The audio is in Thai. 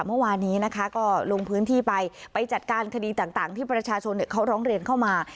เมื่อวานนี้นะคะก็ลงพื้นที่ไปไปจัดการคดีต่างที่ประชาชนเขาร้องเรียนเข้ามา